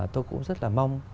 tôi cũng rất là mong